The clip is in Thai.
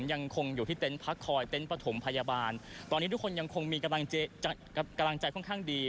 ยังคงอยู่ที่เต็นต์พักคอยเต็นต์ประถมพยาบาลตอนนี้ทุกคนยังคงมีกำลังใจค่อนข้างดี